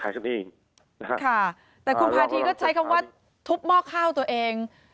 นะครับค่ะแต่คุณพาธีก็ใช้คำว่าทุบหม้อข้าวตัวเอง